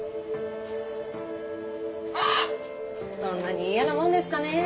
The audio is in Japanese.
そんなに嫌なもんですかねぇ。